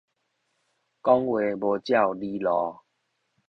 講話無照理路